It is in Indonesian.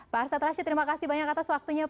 pak arsya terhasil terima kasih banyak atas waktunya pak